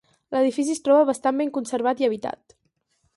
L'edifici es troba bastant ben conservat i habitat.